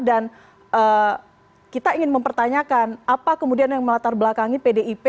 dan kita ingin mempertanyakan apa kemudian yang melatar belakangi pdip